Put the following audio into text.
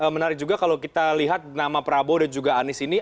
menarik juga kalau kita lihat nama prabowo dan juga anies ini